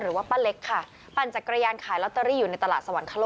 หรือว่าปะเล็กค่ะปันใจกรยานขายลอตเตอรี่อยู่ในตลาดสวรรค์